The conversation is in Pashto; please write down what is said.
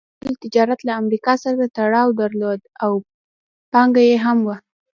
دغه ټول تجارت له امریکا سره تړاو درلود او پانګه یې هم وه.